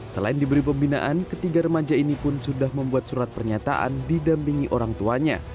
selain diberi pembinaan ketiga remaja ini pun sudah membuat surat pernyataan didampingi orang tuanya